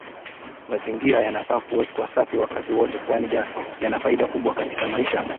Mazingira yanafaa kuwekwa safi wakati wote kwani yana faida kubwa katika maisha